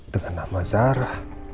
dengan nama zara